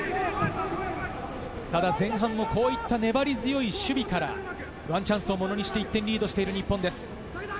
前半もこういった粘り強い守備からワンチャンスをものにして、１点リードしている日本です。